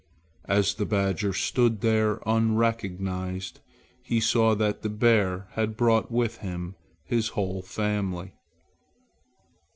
As the badger stood there unrecognized, he saw that the bear had brought with him his whole family.